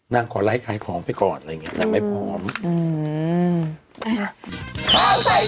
นางขอไลค์ไขของไปก่อนอะไรอย่างเงี้ย